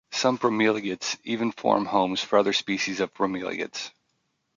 Some bromeliads even form homes for other species of bromeliads.